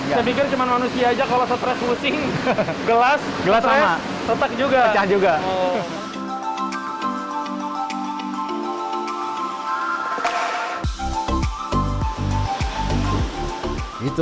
saya pikir cuma manusia aja kalau stress pusing gelas stress retak juga